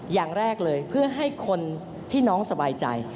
อย่างแรกเลยเพื่อให้คนพี่น้องสบายใจ